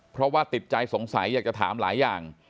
เพราะว่าติดใจสงสัยอยากจะถามหลายอย่าง